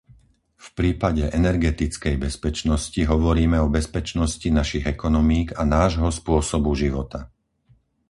V prípade energetickej bezpečnosti hovoríme o bezpečnosti našich ekonomík a nášho spôsobu života.